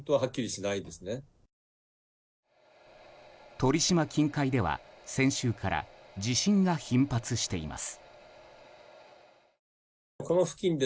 鳥島近海では先週から地震が頻発しています。